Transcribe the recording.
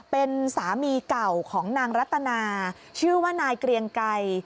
เป็นสามีเก่าของนางรัตนาชื่อว่านายเกรียงไกร